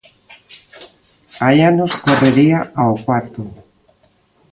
Hai anos correría ao cuarto.